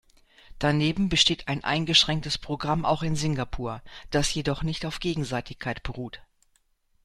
Daneben besteht ein eingeschränktes Programm auch in Singapur, das jedoch nicht auf Gegenseitigkeit beruht.